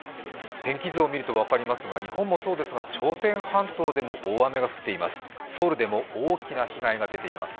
天気図を見ると分かりますが日本もそうですが朝鮮半島でも大雨が降っています。